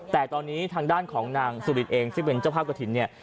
แต่ตอนนี้ทางด้านของนางสุรินเองซึ่งเป็นเจ้าภาพกระถิ่นเนี่ย